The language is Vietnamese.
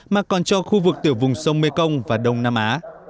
mà còn cho khu vực tiểu vùng sông mê công và đông nam á